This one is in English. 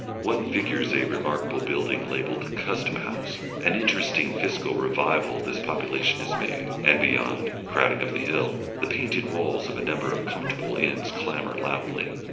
One figures a remarkable building labelled Custom House, an interesting fiscal revival this population has made, and beyond, crowding up the hill, the painted walls of a number of comfortable inns clamour loudly.